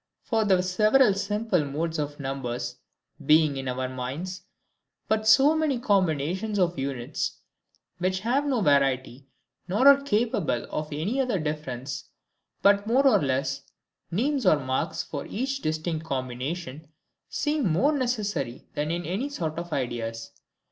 For, the several simple modes of numbers being in our minds but so many combinations of units, which have no variety, nor are capable of any other difference but more or less, names or marks for each distinct combination seem more necessary than in any other sort of ideas.